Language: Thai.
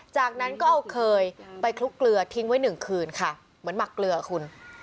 จากนั้นก็เอาเคยไปคลุกเกลือทิ้งไว้หนึ่งคืนค่ะเหมือนหมักเกลือคุณ